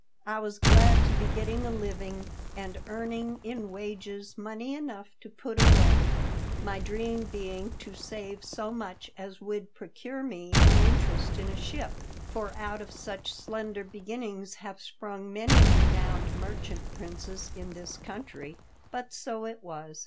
I was orjad to be q etting: a living and earning in wages money enough to put away ; my dream being to save so much as would procure me an interest in a ship, for out of such slender beginnings have sprung many renowned merchant princes in this country. But so it was.